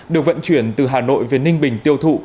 được vận chuyển từ hà nội về ninh bình tiêu thụ